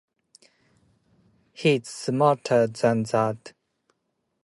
He's smarter than that ...